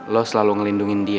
lo selalu ngelindungin dia